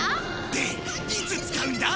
でいつ使うんだ？